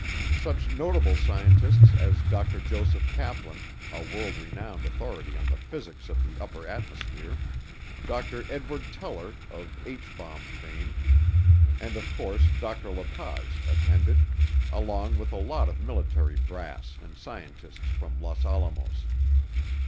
Such notable scientists as Dr. Joseph Kaplan, a world renowned authority on the physics of the upper atmosphere, Dr. Edward Teller, of H bomb fame, and of course Dr. La Paz, attended, along with a lot of military brass and scientists from Los Alamos.